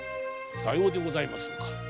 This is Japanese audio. さようでございますか。